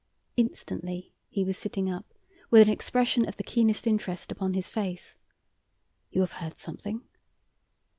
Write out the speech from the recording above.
Instantly he was sitting up, with an expression of the keenest interest upon his face. "You have heard something?"